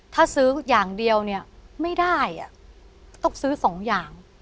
ถ้าซื้ออย่างเดียวเนี่ยไม่ได้ต้องซื้อสองอย่าง